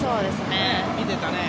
見てたね。